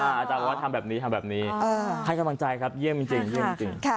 อาจารย์ว่าทำแบบนี้ทำแบบนี้ให้กำลังใจครับเยี่ยมจริง